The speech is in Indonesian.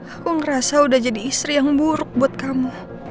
aku ngerasa udah jadi istri yang buruk buat kamu